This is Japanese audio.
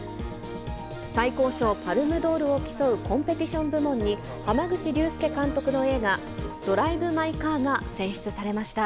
最高賞、パルムドールを競うコンペティション部門に濱口竜介監督の映画、ドライブ・マイ・カーが選出されました。